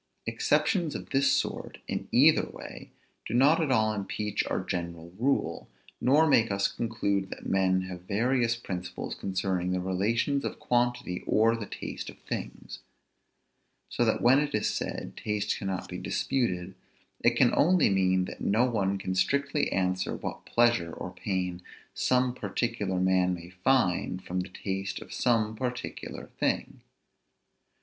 Exceptions of this sort, in either way, do not at all impeach our general rule, nor make us conclude that men have various principles concerning the relations of quantity or the taste of things. So that when it is said, taste cannot be disputed, it can only mean, that no one can strictly answer what pleasure or pain some particular man may find from the taste of some particular thing.